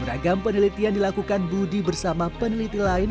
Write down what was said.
beragam penelitian dilakukan budi bersama peneliti lain